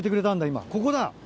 今ここだ。